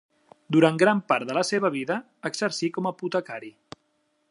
Durant gran part de la seva vida exercí com apotecari.